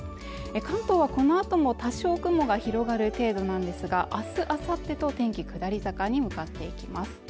関東はこのあとも多少雲が広がる程度なんですが明日あさってと天気下り坂に向かっていきます